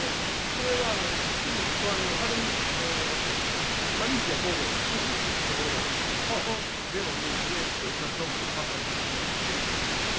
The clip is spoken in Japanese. これは、すぐ隣の垂水にマリンピア神戸というところがあるんですけど、そこでのイベントで、しらす丼ぶりを販売させてもらったときの写真です。